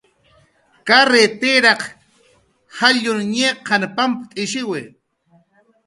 "Karritiraq jallut"" ñiqan waptishiwi"